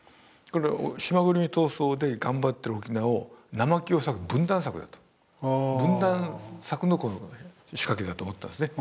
島ぐるみ闘争で頑張ってる沖縄を生木を裂く分断策だと分断策の仕掛けだと思ったんですね。